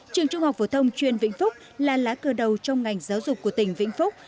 trường trung học phổ thông chuyên vĩnh phúc là lá cờ đầu trong ngành giáo dục của tỉnh vĩnh phúc